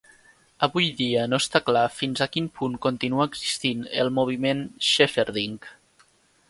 Avui dia no està clar fins a quin punt continua existint el moviment Shepherding.